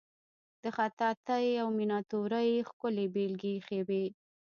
د خطاطی او میناتوری ښکلې بیلګې ایښې وې.